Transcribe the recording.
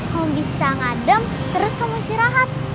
kamu bisa ngadem terus kamu sih rahat